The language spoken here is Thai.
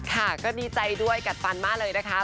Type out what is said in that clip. ค่ะก็ดีใจด้วยกัดฟันมากเลยนะคะ